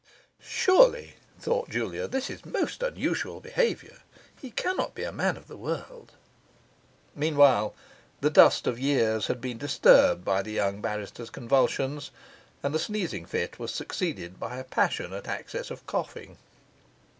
'Surely,' thought Julia, 'this is most unusual behaviour. He cannot be a man of the world!' Meanwhile the dust of years had been disturbed by the young barrister's convulsions; and the sneezing fit was succeeded by a passionate access of coughing.